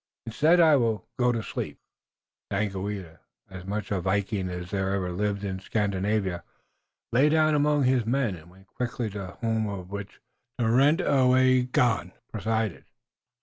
Instead, I too will go to sleep." Daganoweda, as much a Viking as any that ever lived in Scandinavia, lay down among his men and went quickly to the home over which Tarenyawagon presided.